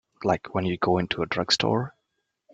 Like when you go into a drugstore.